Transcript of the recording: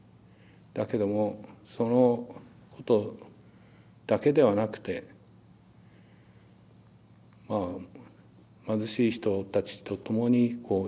だけどもそのことだけではなくて貧しい人たちとともにこう生きてる。